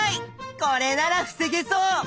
これなら防げそう！